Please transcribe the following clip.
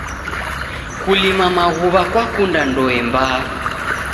Kulima maghuw'a kwakunda ndoe mbaa.